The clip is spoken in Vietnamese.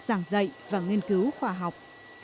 giảng dạy và nghiên cứu khoa học